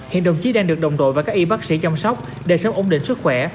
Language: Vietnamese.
hiện đồng chí đang được đồng đội và các y bác sĩ chăm sóc để sớm ổn định sức khỏe